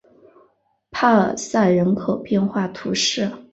帕尔塞人口变化图示